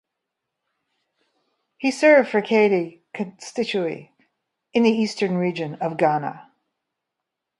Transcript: He served for Kade constituency in the Eastern Region of Ghana.